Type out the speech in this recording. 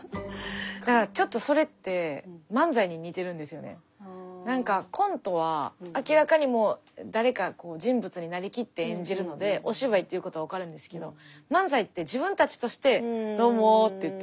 だからちょっとそれってコントは明らかにもう誰か人物になりきって演じるのでお芝居ということは分かるんですけど漫才って自分たちとしてどうもって言って。